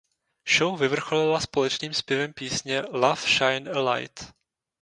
Show vyvrcholila společným zpěvem písně „Love Shine a Light“.